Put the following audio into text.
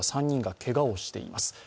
３人がけがをしています。